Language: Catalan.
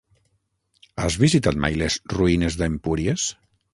Has visitat mai les ruïnes d'Empúries?